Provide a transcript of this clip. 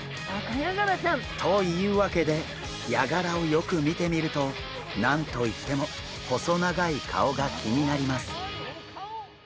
というわけでヤガラをよく見てみると何と言っても細長い顔が気になります。